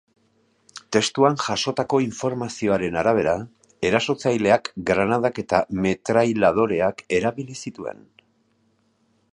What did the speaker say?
Testuan jasotako informazioaren arabera, erasotzaileak granadak eta metrailadoreak erabili zituen.